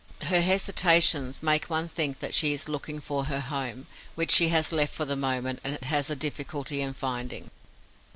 Her hesitations make one think that she is looking for her home, which she has left for the moment and has a difficulty in finding.